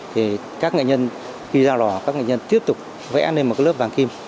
thì các nghệ nhân khi ra lò các nghệ nhân tiếp tục vẽ lên một cái lớp vàng kim